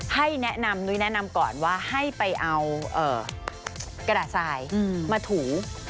ให้แนะนำนุ้ยแนะนำก่อนว่าให้ไปเอากระดาษทรายมาถู